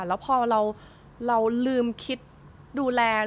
แล้วพอเราลืมคิดดูแล